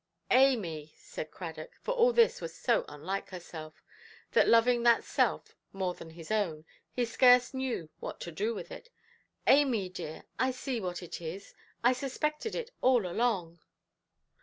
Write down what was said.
"Amy", said Cradock, for all this was so unlike herself, that, loving that self more than his own, he scarce knew what to do with it; "Amy, dear, I see what it is. I suspected it all along".